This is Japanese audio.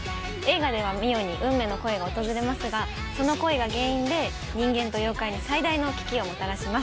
映画では澪に運命の恋が訪れますがその恋が原因で人間と妖怪に最大の危機をもたらします。